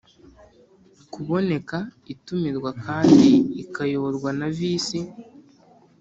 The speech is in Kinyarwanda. Kuboneka itumirwa kandi ikayoborwa na visi